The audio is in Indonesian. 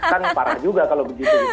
kan parah juga kalau begitu